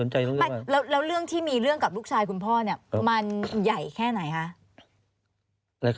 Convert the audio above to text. แล้วเรื่องที่มีเรื่องกับลูกชายคุณพ่อเนี่ยมันใหญ่แค่ไหนคะ